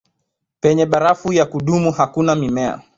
Penye barafu ya kudumu hakuna mimea.